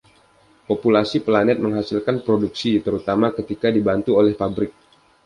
Populasi planet menghasilkan produksi, terutama ketika dibantu oleh pabrik.